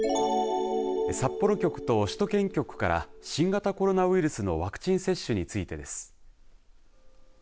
札幌局と首都圏局から新型コロナウイルスのワクチン接種についてです。